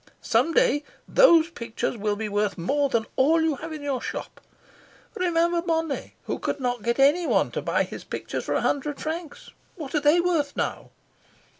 Some day those pictures will be worth more than all you have in your shop. Remember Monet, who could not get anyone to buy his pictures for a hundred francs. What are they worth now?"